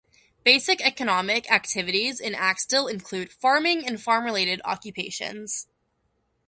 Basic economic activities in Axtell include farming and farm related occupations.